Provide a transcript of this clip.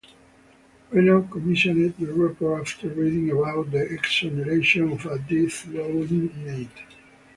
Reno commissioned the report after reading about the exoneration of a death row inmate.